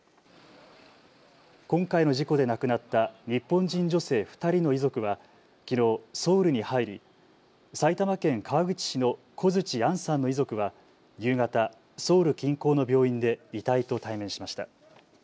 今回の事故で亡くなった日本人女性２人の遺族はきのうソウルに入り、埼玉県川口市の小槌杏さんの遺族は夕方、ソウル近郊の病院で遺体と対面しました。